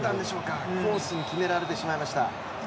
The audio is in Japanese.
コースを決められてしまいました。